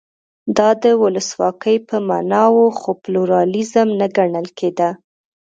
دا د ولسواکۍ په معنا و خو پلورالېزم نه ګڼل کېده.